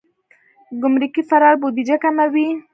ګمرکي فرار بودیجه کموي.